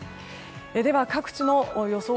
では、各地の予想